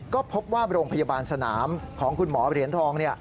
ก็พบว่าโรงพยาบาลสนามของคุณหมอเหรียญทอง